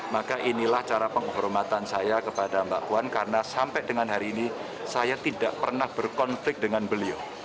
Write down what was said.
maka inilah cara penghormatan saya kepada mbak puan karena sampai dengan hari ini saya tidak pernah berkonflik dengan beliau